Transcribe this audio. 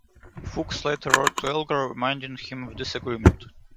Fuchs later wrote to Elgar reminding him of this agreement.